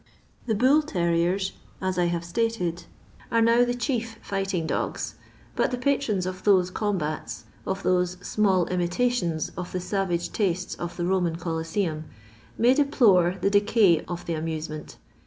The bull terriers, aa I have stated, are now the chief fighting dogs, but the patrons of those com bats— of those small imitations of the savage tastes of the Roman Colosseum, may deplore tlie decay of the amusement.